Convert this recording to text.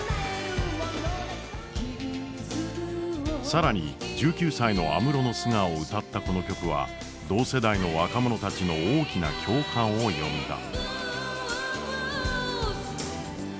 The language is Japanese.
更に１９歳の安室の素顔を歌ったこの曲は同世代の若者たちの大きな共感を呼んだ。